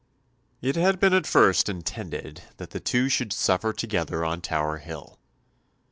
It had been at first intended that the two should suffer together on Tower Hill.